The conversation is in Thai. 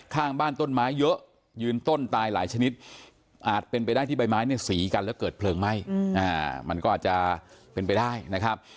ข้างบ้านต้นไม้เยอะยืนต้นตายหลายชนิดอาจเป็นไปได้ที่ใบไม้เนี่ยสีกันแล้วเกิดเพลิงไหม้มันก็อาจจะเป็นไปได้นะครับ